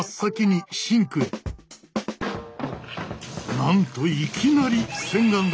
なんといきなり洗顔だ。